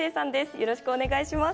よろしくお願いします。